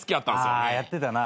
あやってたな。